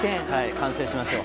完成しましょう。